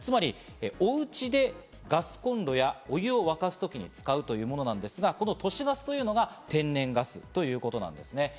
つまり、おうちでガスコンロやお湯を沸かすときに使うというものなんですが、都市ガスというのが天然ガスということですね。